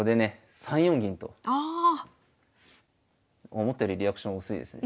思ったよりリアクション薄いですね。